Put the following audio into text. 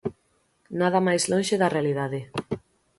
Nada mais lonxe da realidade.